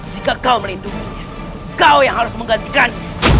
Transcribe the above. jika kau melindunginya kau yang harus menggantikan